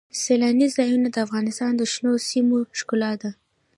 سیلانی ځایونه د افغانستان د شنو سیمو ښکلا ده.